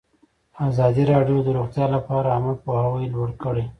ازادي راډیو د روغتیا لپاره عامه پوهاوي لوړ کړی.